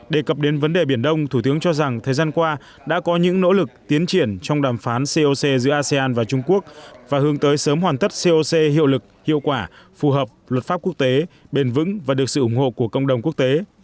đề cập đến vấn đề biển đông thủ tướng cho rằng thời gian qua đã có những nỗ lực tiến triển trong đàm phán coc giữa asean và trung quốc và hướng tới sớm hoàn tất coc hiệu lực hiệu quả phù hợp luật pháp quốc tế bền vững và được sự ủng hộ của cộng đồng quốc tế